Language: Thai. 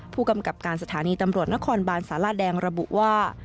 ผู้กำกับการสถานีตำรวจนครบานสาราแดงระบุว่า